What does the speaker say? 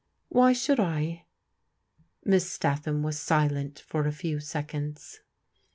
"Why should I?" Miss Statham was silent for a few seconds.